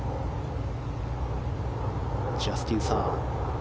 ジャスティン・サー。